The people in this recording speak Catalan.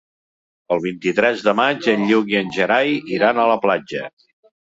El vint-i-tres de maig en Lluc i en Gerai iran a la platja.